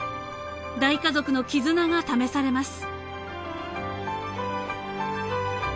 大家族の絆が試されます］